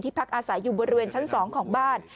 พักอาศัยอยู่บริเวณชั้น๒ของบ้าน